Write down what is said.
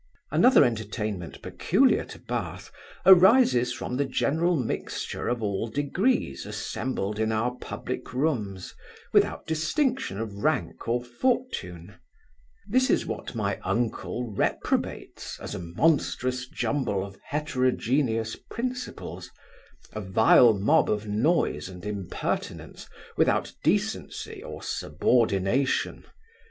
Another entertainment, peculiar to Bath, arises from the general mixture of all degrees assembled in our public rooms, without distinction of rank or fortune. This is what my uncle reprobates, as a monstrous jumble of heterogeneous principles; a vile mob of noise and impertinence, without decency or subordination.